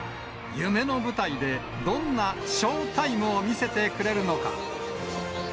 夢の舞台でどんなショウタイムを見せてくれるのか。